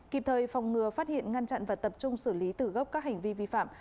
kịp thời phòng ngừa phát hiện ngăn chặn và tập trung xử lý từ gốc các hành vi vi phạm